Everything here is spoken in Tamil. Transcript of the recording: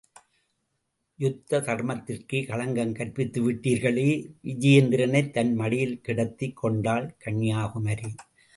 யுத்த தர்மத்திற்கே களங்கம் கற்பித்துவிட்டார்களே! விஜயேந்திரனைத் தன் மடியில் கிடத்திக் கொண்டாள் கன்யாகுமரி!